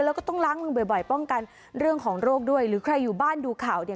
แล้วก็ต้องล้างมือบ่อยป้องกันเรื่องของโรคด้วยหรือใครอยู่บ้านดูข่าวเนี่ย